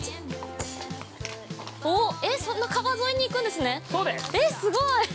◆おっ、えっ、そんな川沿いに行くんですね？